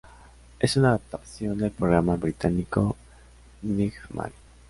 Es una adaptación del programa británico "Knightmare".